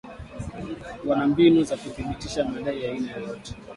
Wana mbinu za kuthibitisha madai ya aina yoyote